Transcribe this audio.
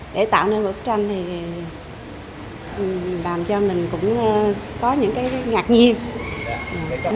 để tạo nên bức tranh thì làm cho mình cũng có những cái ngạc nhiên